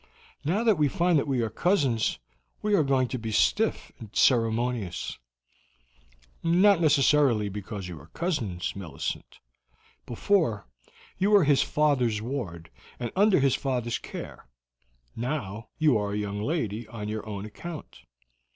Now that we find that we are cousins we are going to be stiff and ceremonious." "Not necessarily because you are cousins, Millicent. Before, you were his father's ward, and under his father's care; now you are a young lady on your own account.